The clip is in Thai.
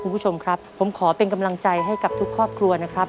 คุณผู้ชมครับผมขอเป็นกำลังใจให้กับทุกครอบครัวนะครับ